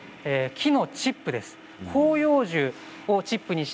木のチップです。